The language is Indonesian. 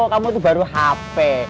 kamu tuh baru hp